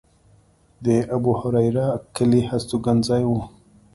د ابوهریره کلی هستوګنځی و.